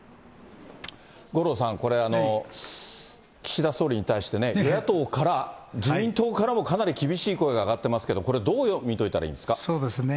五郎さん、これ、岸田総理に対して、与野党から、自民党からもかなり厳しい声が上がってますけれども、これ、そうですね。